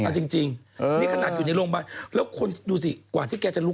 มาส่งโรงพยาบาลโอ๊ยมาส่งโรงพยาบาล